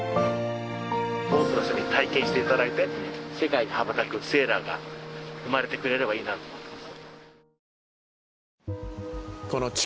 多くの人に体験して頂いて世界に羽ばたくセーラーが生まれてくれればいいなと思います。